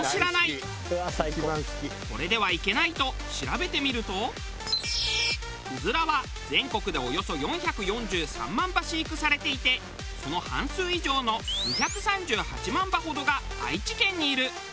これではいけないとうずらは全国でおよそ４４３万羽飼育されていてその半数以上の２３８万羽ほどが愛知県にいる。